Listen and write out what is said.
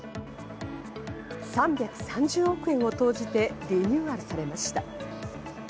３３０億円を投じてリニューアルされました。